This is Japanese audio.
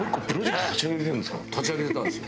立ち上げてたんですよ。